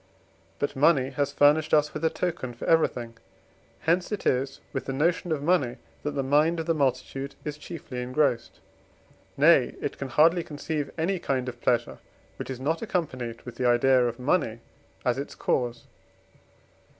But money has furnished us with a token for everything: hence it is with the notion of money, that the mind of the multitude is chiefly engrossed: nay, it can hardly conceive any kind of pleasure, which is not accompanied with the idea of money as cause.